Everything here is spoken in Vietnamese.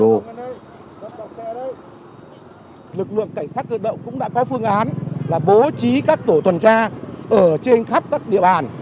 lực lượng cảnh sát cơ động cũng đã có phương án là bố trí các tổ tuần tra ở trên khắp các địa bàn